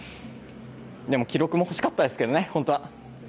でも、記録も欲しかったですけどね、本当は。